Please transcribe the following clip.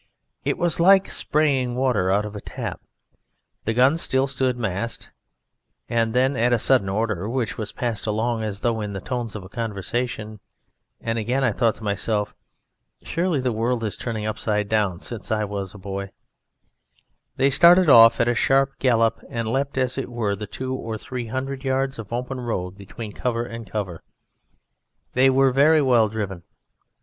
It was like spraying water out of a tap. The guns still stood massed, and then at a sudden order which was passed along as though in the tones of a conversation (and again I thought to myself, "Surely the world is turning upside down since I was a boy") they started off at a sharp gallop and leapt, as it were, the two or three hundred yards of open road between cover and cover. They were very well driven.